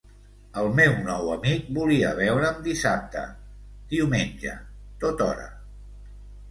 El meu nou amic volia veure'm dissabte, diumenge, tothora.